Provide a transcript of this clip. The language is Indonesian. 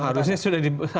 harusnya semuanya dibatalkan